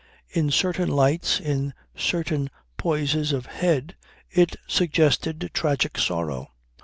In certain lights, in certain poises of head it suggested tragic sorrow.